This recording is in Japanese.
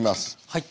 はい。